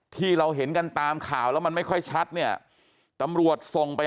ที่เราเห็นกันตามข่าวแล้วมันไม่ค่อยชัดเนี่ยตำรวจส่งไป